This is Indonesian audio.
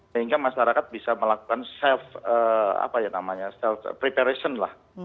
sehingga masyarakat bisa melakukan self preparation lah